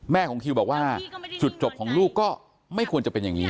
ของคิวบอกว่าจุดจบของลูกก็ไม่ควรจะเป็นอย่างนี้